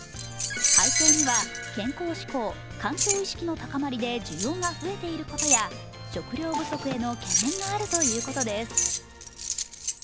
背景には健康志向・環境意識の高まりで需要が増えていることや食料不足への懸念があるということです。